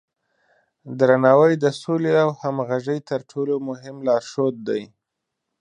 درناوی د سولې او همغږۍ تر ټولو مهم لارښود دی.